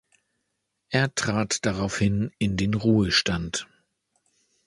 Er trat daraufhin in den Ruhestand.